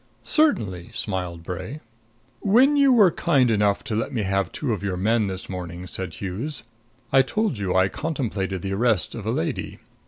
"Certainly," smiled Bray. "When you were kind enough to let me have two of your men this morning," said Hughes, "I told you I contemplated the arrest of a lady.